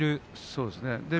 そうですね。